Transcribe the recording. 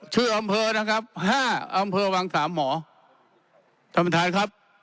ชื่ออำเภอนะครับห้าอำเภอวังสามหมอท่านประธานครับ